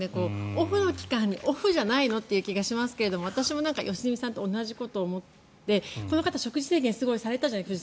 オフの期間にオフじゃないのという気がしますが私も良純さんと同じことを思ってこの方、食事制限をすごいされたじゃないですか。